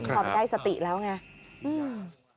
อมได้สติแล้วไง